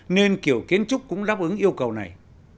nên kiểu kiến trúc cũng đáp ứng yêu cầu này